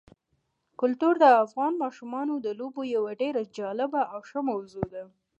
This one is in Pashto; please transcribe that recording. کلتور د افغان ماشومانو د لوبو یوه ډېره جالبه او ښه موضوع ده.